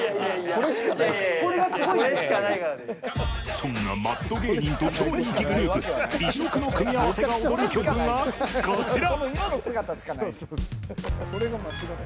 そんなマッド芸人と超人気グループ異色の組み合わせが踊る曲がこちら。